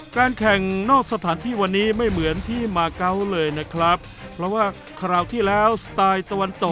การแข่งนอกสถานที่วันนี้ไม่เหมือนที่มาเกาะเลยนะครับเพราะว่าคราวที่แล้วสไตล์ตะวันตก